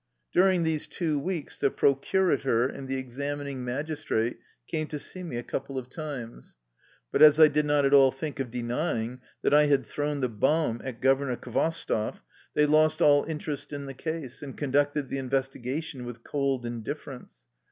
During these two weeks the procurator and the examining magistrate came to see me a couple of times. But as I did not at all think of denying that I had thrown the bomb at Governor Khvostoff, they lost all interest in the case, and conducted the investigation with cold indifference.